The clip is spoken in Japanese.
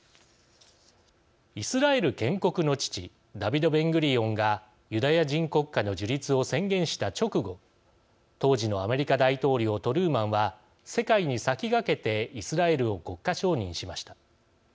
イスラエル建国の父ダヴィド・ベングリオンがユダヤ人国家の樹立を宣言した直後当時のアメリカ大統領トルーマンは世界に先駆けてイスラエルを国家承認しました。